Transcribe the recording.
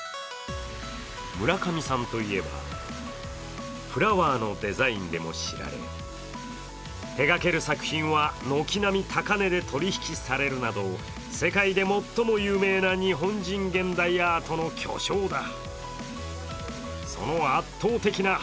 村上さんといえば、「フラワー」のデザインでも知られ手がける作品は軒並み、高値で取引されるなど、世界で最も有名な日本人現代アートの巨匠だ。